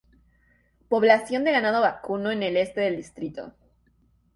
Población de ganado vacuno del este del Dto.